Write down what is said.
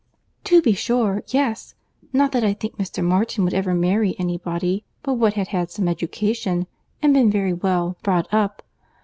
"To be sure. Yes. Not that I think Mr. Martin would ever marry any body but what had had some education—and been very well brought up.